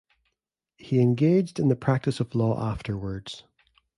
He engaged in the practice of law afterwards.